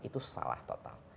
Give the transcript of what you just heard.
itu salah total